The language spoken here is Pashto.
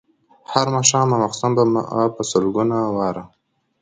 هر ماښام او ماخوستن به ما په سلګونو واره.